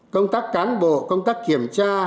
công tác cán bộ công tác kiểm tra